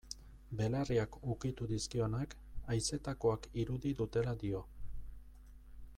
Belarriak ukitu dizkionak, haizetakoak irudi dutela dio.